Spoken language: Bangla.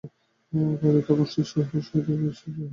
রাজা তখন শিশুর সহিত মিশিয়া শিশু হইয়াছেন, তাঁহার রাজমর্যাদা কোথায়।